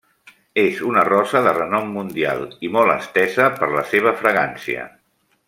És una rosa de renom mundial i molt estesa per la seva fragància.